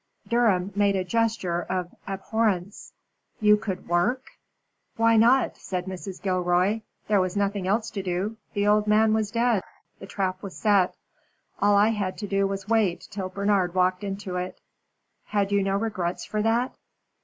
Durham made a gesture of abhorrence. "You could work?" "Why not?" said Mrs. Gilroy. "There was nothing else to do the old man was dead the trap was set. All I had to do was to wait till Bernard walked into it." "Had you no regrets for that?"